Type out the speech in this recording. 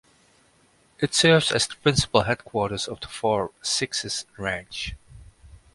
It serves as the principal headquarters of the Four Sixes Ranch.